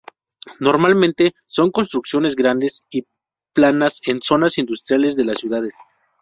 Normalmente son construcciones grandes y planas en las zonas industriales de las ciudades.